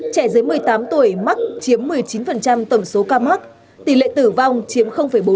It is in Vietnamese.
trẻ dưới một mươi tám tuổi mắc chiếm một mươi chín tổng số ca mắc tỷ lệ tử vong chiếm bốn